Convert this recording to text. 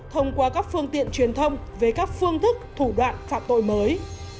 thông qua các phương tiện truyền thông về các phương thức thủ đoạn phạm tội mới